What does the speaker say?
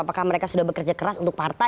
apakah mereka sudah bekerja keras untuk partai